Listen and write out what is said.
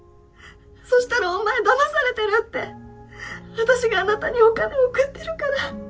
そしたらお前騙されてるよって私があなたにお金送ってるから。